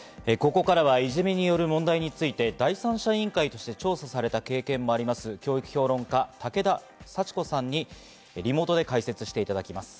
ここからはいじめによる問題について第三者委員会として調査をされた経験もあります、教育評論家・武田さち子さんにリモートで解説していただきます。